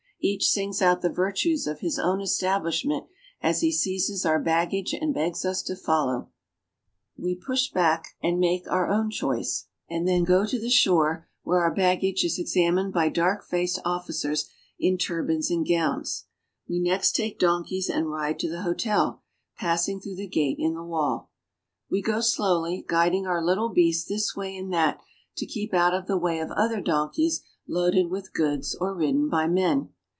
Each sings out the virtues of his own establishment as he seizes our baggage and begs us to follow. We push the crowd back morck:co 1 7 and make our own choice, and then go to the shore, where our baggage is examined by dark faced officers in turbans and gowns. We next take donkeys and ride to the hotel, passing through the gate in the wall. We go slowly, guiding our little beasts this way and that to keep out of the way of other donkeys loaded with goods or ridden by men.